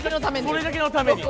それだけのために。